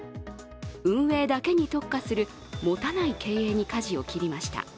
運営だけに特化する持たない経営にかじを切りました。